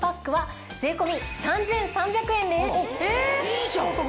いいじゃん！